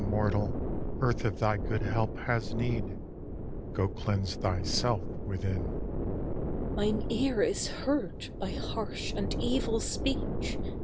MORTAL Mine ear is hurt by harsh and evil speech.